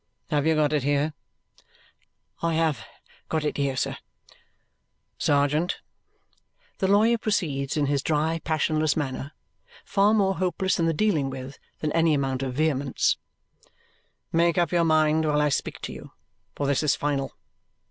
"Have you got it here?" "I have got it here, sir." "Sergeant," the lawyer proceeds in his dry passionless manner, far more hopeless in the dealing with than any amount of vehemence, "make up your mind while I speak to you, for this is final.